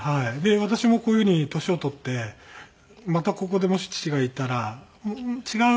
私もこういう風に年を取ってまたここでもし父がいたら違う